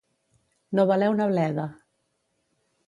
No valer una bleda.